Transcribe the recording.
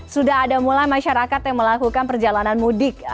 sudah ada mulai masyarakat yang melakukan perjalanan mudik